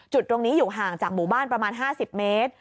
จุดตรงนี้อยู่ห่างจากหมู่บ้านประมาณ๕๐เมตร